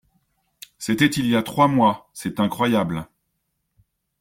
C’était il y a trois mois. C’est incroyable.